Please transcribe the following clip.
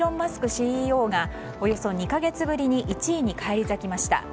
ＣＥＯがおよそ２か月ぶりに１位に返り咲きました。